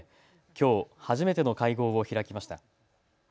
きょう初めての会合を開きました。